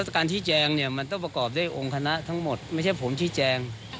การชี้แจงเนี่ยมันต้องประกอบด้วยองค์คณะทั้งหมดไม่ใช่ผมชี้แจง